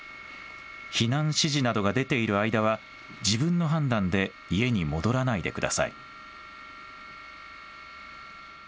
避難指示などが出ている間は自分の判断で家に戻らないでください。